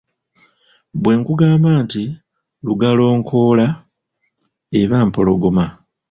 Bwe nkugamba nti Lugalonkoola, eba Mpologoma.